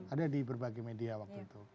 ada di berbagai media waktu itu